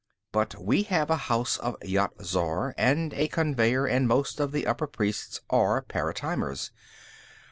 But they have a House of Yat Zar, and a conveyer, and most of the upper priests are paratimers.